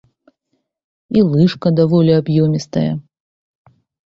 І лыжка даволі аб'ёмістая.